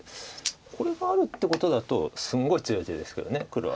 これがあるってことだとすごい強い手ですけど黒は。